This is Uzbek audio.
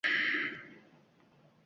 Odamlar bu voqeani eshitgan